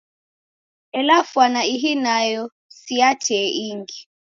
Ela fwana ihi nayo si ya tee ingi.